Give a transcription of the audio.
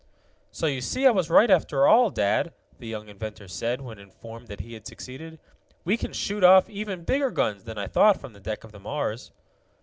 "So you see I was right, after all, Dad," the young inventor said, when informed that he had succeeded. "We can shoot off even bigger guns than I thought from the deck of the Mars."